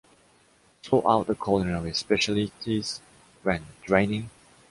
Sort out the culinary specialties when draining.